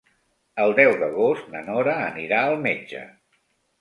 El deu d'agost na Nora anirà al metge.